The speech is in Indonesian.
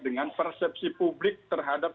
dengan persepsi publik terhadap